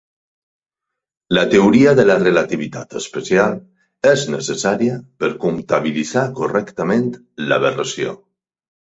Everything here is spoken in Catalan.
La teoria de la relativitat especial és necessària per comptabilitzar correctament l'aberració.